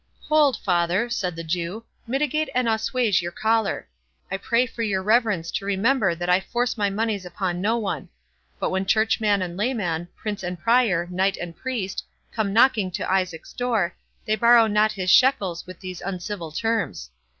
"Hold, father," said the Jew, "mitigate and assuage your choler. I pray of your reverence to remember that I force my monies upon no one. But when churchman and layman, prince and prior, knight and priest, come knocking to Isaac's door, they borrow not his shekels with these uncivil terms.